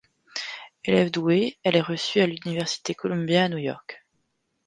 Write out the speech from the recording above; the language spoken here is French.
Élève douée, elle est reçue à l'université Columbia à New York.